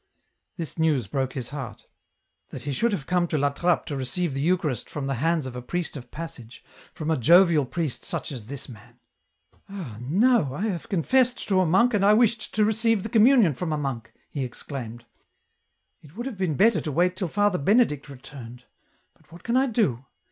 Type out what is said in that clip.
This news broke his heart. That he should have come to La Trappe to receive the Eucharist from the hands of a priest of passage, from a jovial priest such as this man !Ah, no, I have confessed to a monk, and I wished to receive the communion from a monk !" he exclaimed. " It would have been better to wait till Father Benedict returned — but what can I do